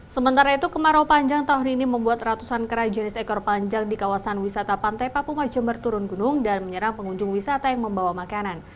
sementara itu kemarau panjang tahun ini membuat ratusan kerai jenis ekor panjang di kawasan wisata pantai papuma jember turun gunung dan menyerang pengunjung wisata yang membawa makanan